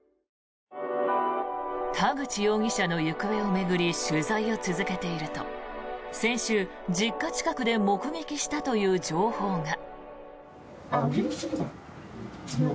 田口容疑者の行方を巡り取材を続けていると先週、実家近くで目撃したという情報が。